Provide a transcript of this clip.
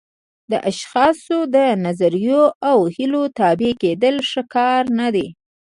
د اشخاصو د نظریو او هیلو تابع کېدل ښه کار نه دی.